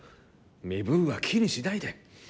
身分は気にしないで。